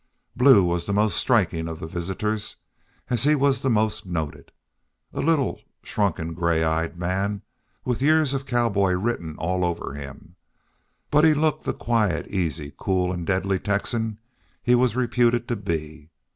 Blue was the most striking of the visitors, as he was the most noted. A little, shrunken gray eyed man, with years of cowboy written all over him, he looked the quiet, easy, cool, and deadly Texan he was reputed to be.